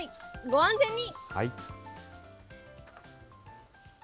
ご安全に。